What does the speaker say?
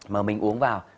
mà mình uống vào